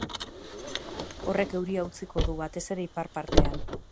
Horrek euria utziko du, batez ere ipar partean.